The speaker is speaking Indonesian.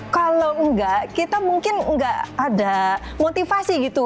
kalau enggak kita mungkin nggak ada motivasi gitu